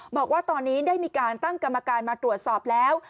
บอกว่าตอนนี้ได้มีการตั้งกรรมการมาตรวจสอบแล้ว